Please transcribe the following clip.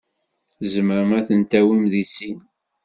Tzemrem ad ten-tawim deg sin.